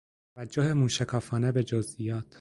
توجه موشکافانه به جزئیات